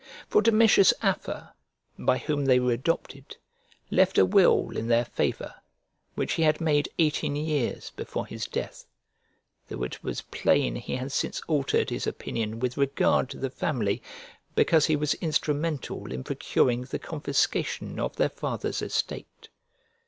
For Domitius Afer, by whom they were adopted, left a will in their favour, which he had made eighteen years before his death; though it was plain he had since altered his opinion with regard to the family, because he was instrumental in procuring the confiscation of their father's estate.